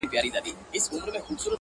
یو سپین ږیری وو ناروغه له کلونو.!